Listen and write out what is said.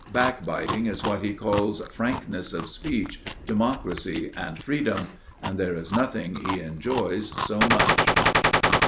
Backbiting is what he calls frankness of speech, democracy, and freedom; and there is nothing he enjoys so much.